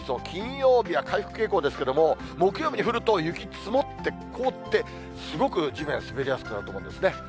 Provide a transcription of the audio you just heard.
金曜日は回復傾向ですけれども、木曜日に降ると、雪積もって、凍って、すごく地面が滑りやすくなると思うんですね。